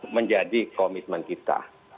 menjadi komitmen kita